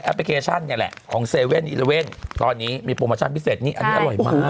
พลิเคชันเนี่ยแหละของ๗๑๑ตอนนี้มีโปรโมชั่นพิเศษนี่อันนี้อร่อยมาก